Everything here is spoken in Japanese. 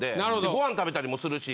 ご飯食べたりもするし。